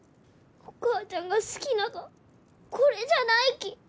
お母ちゃんが好きながはこれじゃないき。